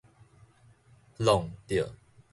挵著